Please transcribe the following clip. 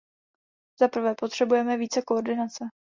Zaprvé, potřebujeme více koordinace.